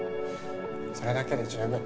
それだけで十分。